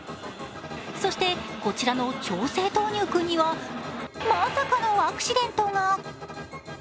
そしてこちらのちょうせい豆乳くんにはまさかのアクシデントが。